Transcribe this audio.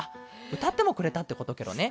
うたってもくれたってことケロね。